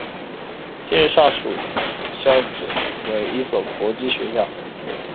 今日上述校扯为一所国际学校。